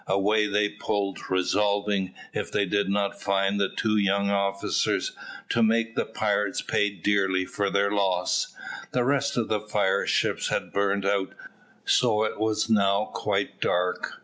Away they pulled, resolving, if they did not find the two young officers, to make the pirates pay dearly for their loss. The rest of the fire ships had burnt out, so it was now quite dark.